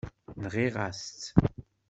Nɣiɣ-as-tt.